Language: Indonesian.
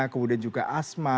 kemudian juga asma